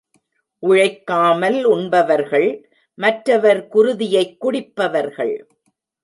உழைக்காமல் உண்பவர்கள், மற்றவர் குருதியைக் குடிப்பவர்கள்.